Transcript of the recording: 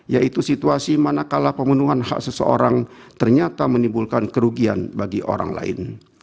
yaitu situasi manakala pemenuhan hak seseorang ternyata menimbulkan kerugian bagi orang lain